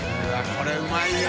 これうまいよ。